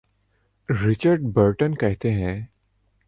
Richard Burton کہتے ہیں۔